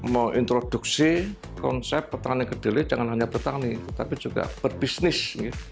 mau introduksi konsep pertanian kedelai jangan hanya pertanian tapi juga berbisnis